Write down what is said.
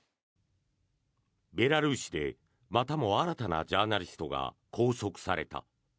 ベラルーシでまたも新たなジャーナリストが拘束された。